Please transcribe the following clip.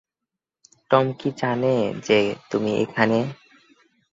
Tom কি জানে যে তুমি এখানে?